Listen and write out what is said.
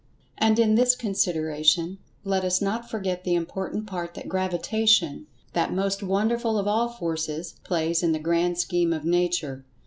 And in this consideration, let us not forget the important part that Gravitation—that most wonderful of all Forces—plays in the grand scheme of Nature.